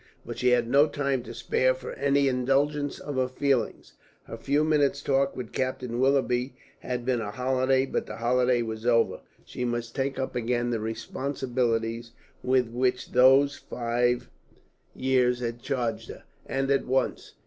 But she had no time to spare for any indulgence of her feelings. Her few minutes' talk with Captain Willoughby had been a holiday, but the holiday was over. She must take up again the responsibilities with which those five years had charged her, and at once.